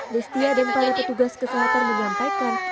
destia dan para petugas kesehatan menyampaikan